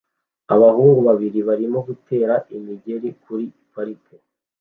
Abahungu babiri barimo gutera imigeri kuri parike